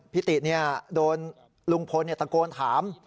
พี่ติฎเนี่ยโดนลุงพลส์ตะโกนถาม